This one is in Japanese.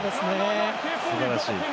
すばらしい。